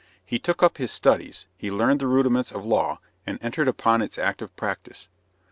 He took up his studies; he learned the rudiments of law and entered upon its active practice.